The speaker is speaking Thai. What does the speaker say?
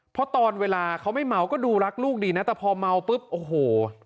เพราะตอนเวลาเขาไม่เมาก็ดูรักลูกดีนะแต่พอเมาปุ๊บโอ้โห